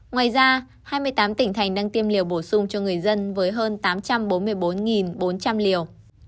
ngoài ra hai mươi tám tỉnh thành đang tiêm liều bổ sung cho người dân với hơn tám trăm bốn mươi bốn bốn trăm linh liều